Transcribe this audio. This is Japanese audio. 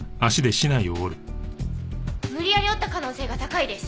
無理やり折った可能性が高いです。